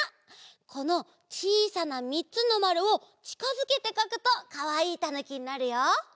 このちいさなみっつのまるをちかづけてかくとかわいいたぬきになるよ。